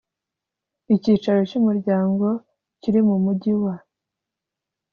icyicaro cy umuryango kiri mu mujyi wa